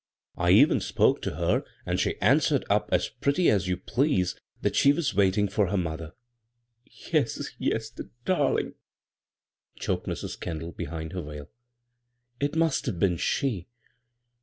I even spoke to her and she answered up as pretty as you please that she was waiting for her mother." " Yes, yes. the darling 1 " choked Mrs. Kendall behind her veil, " It must have been she.